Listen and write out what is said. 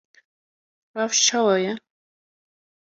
Rewş çawa ye?